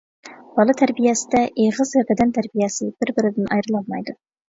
بالا تەربىيەسىدە ئېغىز ۋە بەدەن تەربىيەسى بىر-بىرىدىن ئايرىلالمايدۇ.